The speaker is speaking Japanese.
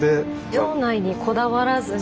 城内にこだわらずに。